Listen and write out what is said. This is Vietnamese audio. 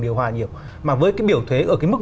điều hòa nhiều mà với cái biểu thuế ở cái mức